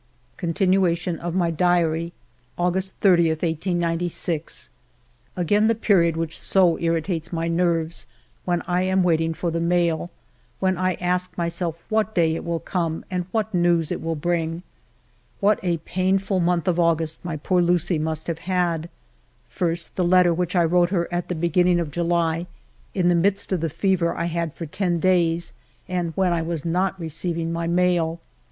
2o6 FIVE YEARS OF MY LIFE Continuation of my Diary August 30, 1896. Again the period which so irritates my nerves, when I am waiting for the mail, when I ask myself what day it will come and what news it will bring. What a painful month of August my poor Lucie must have had ! First, the letter which I wrote her at the beginning of July, in the midst of the fever I had for ten days, and when I was not receiving my mail.